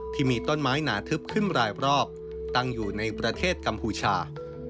ที่มีต้นไม้หนาทึบขึ้นรายรอบตั้งอยู่ในประเทศกัมพูชา